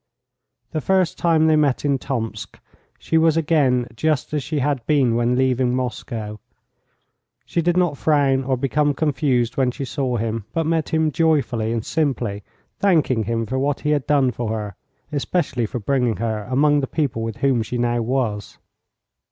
The first time they met in Tomsk she was again just as she had been when leaving Moscow. She did not frown or become confused when she saw him, but met him joyfully and simply, thanking him for what he had done for her, especially for bringing her among the people with whom she now was.